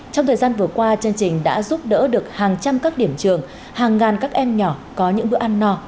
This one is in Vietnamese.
trong thời gian vừa qua chương trình đã giúp đỡ được hàng trăm các điểm trường hàng ngàn các em nhỏ có những bữa ăn no